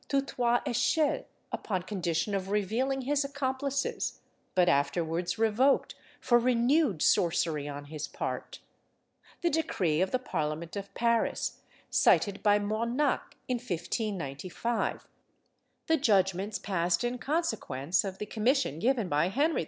to Trois Echelles, upon condition of revealing his accomplices, but afterwards revoked for renewed sorcery on his part; the decree of the parliament of Paris, cited by Mornac in 1595; the judgments passed in consequence of the commission given by Henry IV.